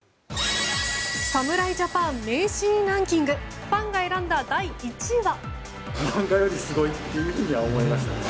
侍ジャパン名シーンランキングファンが選んだ第１位は。